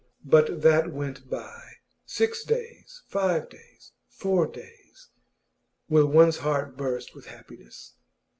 But that went by. Six days, five days, four days will one's heart burst with happiness?